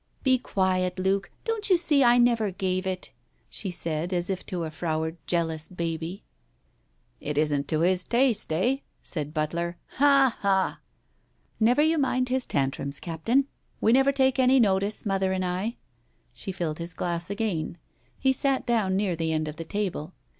"Be quiet, Luke. Don't you see I never gave it?" she said, as if to a froward jealous baby. " It isn't to his taste, eh ?" said Butler. " Ha ! Ha !" "Never you mind his tantrums, Captain. We never take any notice, mother and I." She filled his glass again. He sat down near the end of the table.